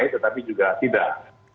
tetapi juga tidak